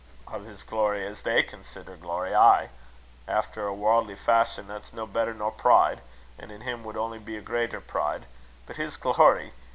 "O' his glory, as they consider glory ay; efter a warldly fashion that's no better nor pride, an' in him would only be a greater pride. But his glory!